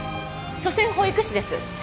所詮保育士です。